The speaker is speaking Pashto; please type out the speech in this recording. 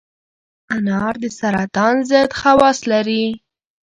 انار د سرطان ضد خواص لري.